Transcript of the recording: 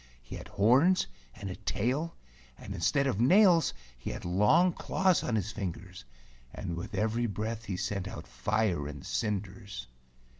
He had horns and a tail, and instead of nails he had long claws on his fingers, and with every breath he sent out fire and cinders.